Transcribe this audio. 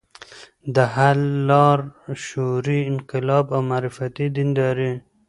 د حل لار: شعوري انقلاب او معرفتي دینداري